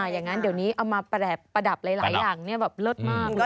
อย่างนั้นเดี๋ยวนี้เอามาประดับหลายอย่างแบบเลิศมากเลย